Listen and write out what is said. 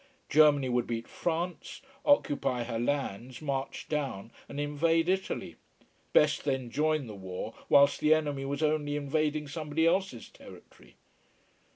Germany would beat France, occupy her lands, march down and invade Italy. Best then join the war whilst the enemy was only invading somebody else's territory.